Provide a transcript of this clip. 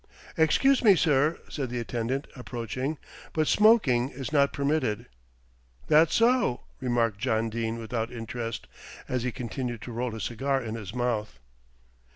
"Excuse me, sir," said the attendant, approaching, "but smoking is not permitted." "That so?" remarked John Dene without interest, as he continued to roll his cigar in his mouth.